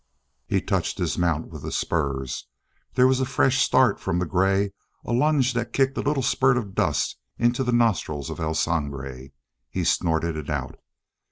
He touched his mount with the spurs; there was a fresh start from the gray, a lunge that kicked a little spurt of dust into the nostrils of El Sangre. He snorted it out.